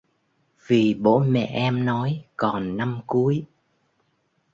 Vì bố mẹ em nói còn năm cuối